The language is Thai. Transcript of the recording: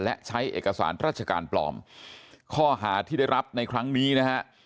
และใช้เอกสารราชการปลอมข้อหาที่ได้รับในครั้งนี้นะฮะ